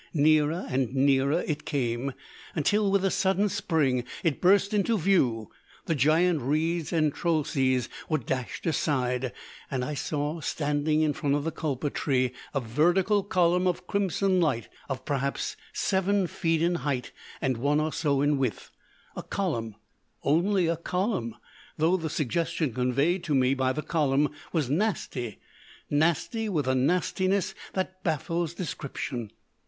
Nearer and nearer it came, till, with a sudden spring, it burst into view the giant reeds and trolsees were dashed aside, and I saw standing in front of the kulpa tree a vertical column of crimson light of perhaps seven feet in height and one or so in width. A column only a column, though the suggestion conveyed to me by the column was nasty nasty with a nastiness that baffles description.